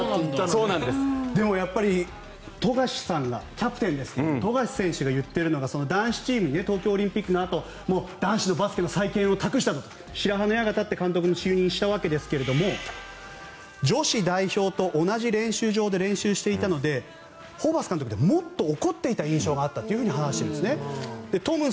でも、やっぱりキャプテンの富樫選手が言っているのは男子チーム東京オリンピックのあと男子のバスケの再建を託したぞと白羽の矢が立って監督に就任したわけですが女子代表と同じ練習場で練習していたのでホーバス監督ってもっと怒っていた印象があったと話しているんですね。